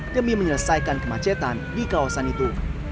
demi menyelesaikan kemacetan di kawasan itu